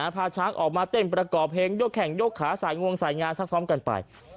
พาช้างออกมาเต้นประกอบเพลงยกแข่งยกขาใส่งวงสายงานซักซ้อมกันไป